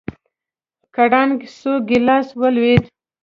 کړنگ سو گيلاس ولوېد.